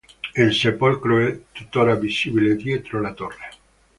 Il sepolcro è tuttora visibile dietro la torre.